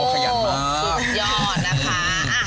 ขยันมาก